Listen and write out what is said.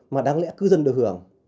mà đáng lẽ cư dân được hưởng